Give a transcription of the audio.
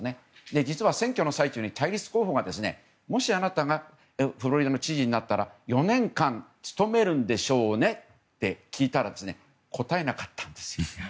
実は選挙の最中に対立候補がもしあなたがフロリダの知事になったら４年間務めるんでしょうね？って聞いたら答えなかったんですよ。